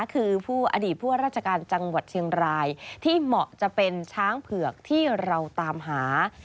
คือผู้อดีตผู้ว่าราชการจังหวัดเชียงรายที่เหมาะจะเป็นช้างเผือกที่เราตามหา